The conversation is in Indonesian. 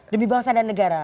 demi bangsa dan negara